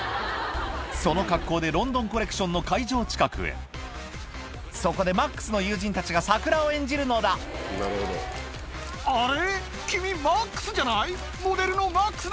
その格好でロンドンコレクションの会場近くへそこでマックスの友人たちがサクラを演じるのだあれ？